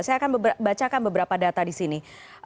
saya akan bacakan beberapa data di sini